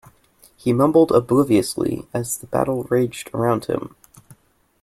He mumbled obliviously as the battle raged around him.